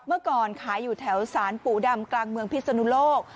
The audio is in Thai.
เมื่อก่อนขายอยู่แถวสารปู่ดำกลางเมืองพิศนุโลก